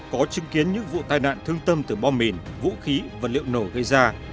có chứng kiến những vụ tai nạn thương tâm từ bom mìn vũ khí vật liệu nổ gây ra